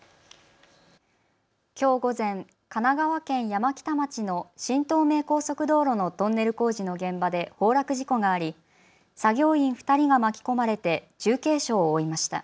きょう午前、神奈川県山北町の新東名高速道路のトンネル工事の現場で崩落事故があり作業員２人が巻き込まれて重軽傷を負いました。